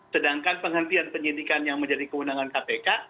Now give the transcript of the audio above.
sedangkan penghentian penyidikan yang menjadi kewenangan kpk